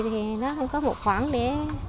thì nó không có một khoảng để